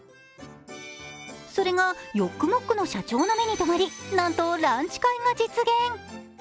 それがヨックモックの社長の目にとまりなんとランチ会が実現。